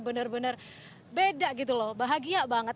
benar benar beda gitu loh bahagia banget